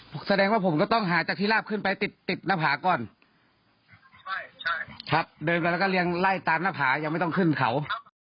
แล้วก็เรียงไล่ตามหน้าผายังไม่ต้องขึ้นเขา